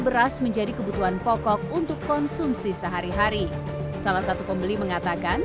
beras menjadi kebutuhan pokok untuk konsumsi sehari hari salah satu pembeli mengatakan